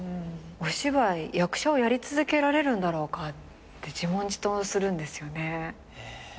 お芝居役者をやり続けられるんだろうかって自問自答するんですよね。